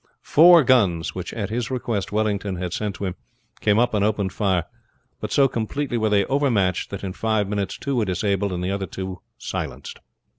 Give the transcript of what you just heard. Four guns, which at his request Wellington had sent to him, came up and opened fire; but so completely were they overmatched that in five minutes two were disabled and the other two silenced.